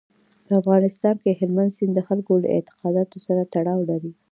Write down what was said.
په افغانستان کې هلمند سیند د خلکو له اعتقاداتو سره تړاو لري.